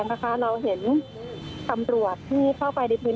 เพราะตอนนี้ก็ไม่มีเวลาให้เข้าไปที่นี่